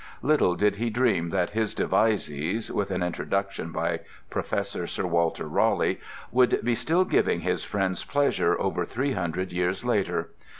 Little did he dream that his devises (with an introduction by Professor Sir Walter Raleigh) would be still giving his Friends pleasure over three hundred years later.